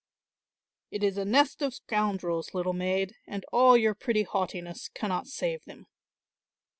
"It is a nest of scoundrels, little maid, and all your pretty haughtiness cannot save them."